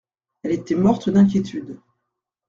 Elle était morte d’inquiétude.